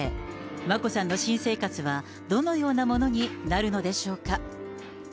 眞子さんの新生活はどのようなものになるのでしょうか。